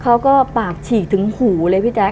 เขาก็ปากฉีกถึงหูเลยพี่แจ๊